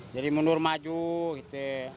jadi mundur maju gitu